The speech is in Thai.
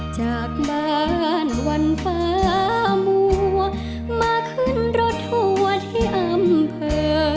จากบ้านวันฟ้ามัวมาขึ้นรถทัวร์ที่อำเภอ